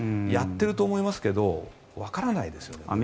やっていると思いますけどわからないですよね。